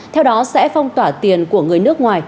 theo đó sẽ phong tỏa tiền của người nước ngoài